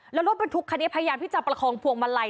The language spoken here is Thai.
และรถบรรทุกพยายามพี่จับประคองผ่วงมาลัย